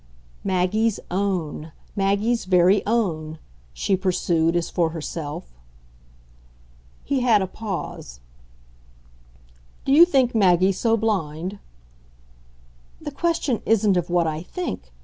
"Maggie's own Maggie's very own," she pursued as for herself. He had a pause. "Do you think Maggie so blind?" "The question isn't of what I think.